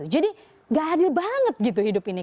jadi tidak adil banget hidup ini